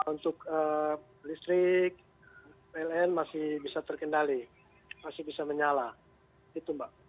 untuk listrik pln masih bisa terkendali masih bisa menyala itu mbak